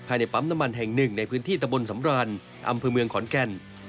ในปั๊มน้ำมันแห่งหนึ่งในพื้นที่ตะบนสำรานอำเภอเมืองขอนแก่น